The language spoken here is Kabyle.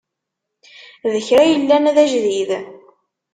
D kra yellan d ajdid.